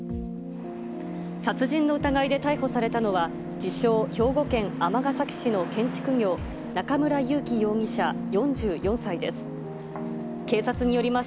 殺人の疑いで逮捕されたのは、自称、兵庫県尼崎市の建築業、中村ゆうき容疑者４４歳です。